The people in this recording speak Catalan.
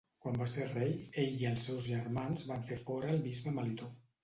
Quan va ser rei, ell i els seus germans van fer fora el bisbe Melitó.